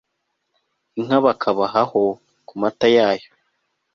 inka bakabahaho kumata yayo